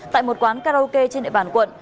tại một quán karaoke trên địa bàn quận